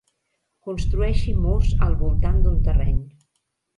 Construeixi murs al voltant d'un terreny.